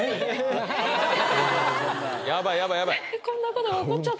ヤバいヤバいヤバい